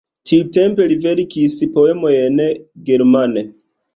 Tiutempe li verkis poemojn germane.